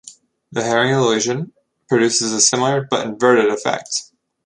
The Hering illusion produces a similar, but inverted effect.